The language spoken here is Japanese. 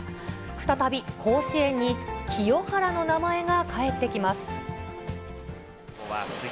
再び甲子園に清原の名前が帰ってきます。